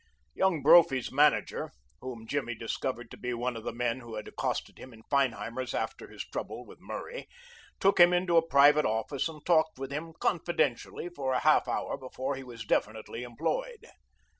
Young Brophy's manager, whom Jimmy discovered to be one of the men who had accosted him in Feinheimer's after his trouble with Murray, took him into a private office and talked with him confidentially for a half hour before he was definitely employed.